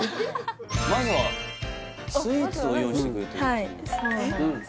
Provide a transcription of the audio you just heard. まずはスイーツを用意してくれてるという・そうなんです